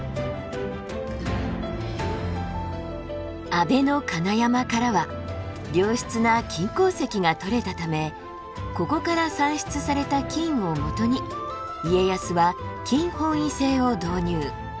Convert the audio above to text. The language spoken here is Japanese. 安陪金山からは良質な金鉱石が採れたためここから産出された金をもとに家康は金本位制を導入。